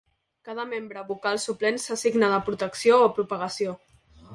Cada membre vocal suplent s'assigna a protecció o propagació.